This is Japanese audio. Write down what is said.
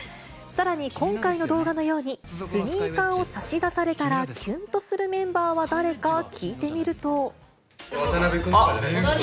さらに今回の動画のように、スニーカーを差し出されたら、キュンとするメンバーは誰か聞いてみると。